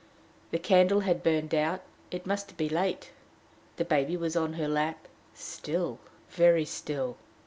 The candle had burned out: it must be late. The baby was on her lap still, very still.